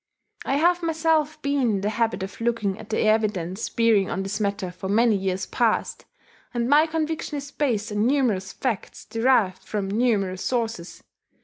I have myself been in the habit of looking at the evidence bearing on this matter for many years past, and my conviction is based on numerous facts derived from numerous sources.